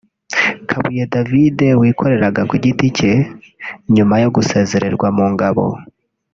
Kabuye David wikoreraga ku giti cye nyuma yo guesezererwa mu ngabo